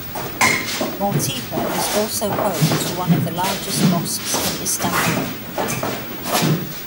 Maltepe is also home to one of the largest Mosques in Istanbul.